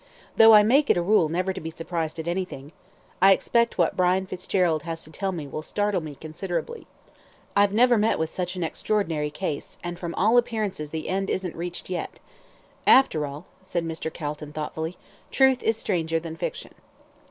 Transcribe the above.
Though I make it a rule never to be surprised at anything, I expect what Brian Fitzgerald has to tell me will startle me considerably. I've never met with such an extraordinary case, and from all appearances the end isn't reached yet. After all," said Mr. Calton, thoughtfully, "truth is stranger than fiction."